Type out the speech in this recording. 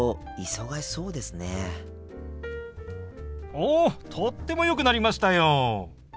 おとってもよくなりましたよ！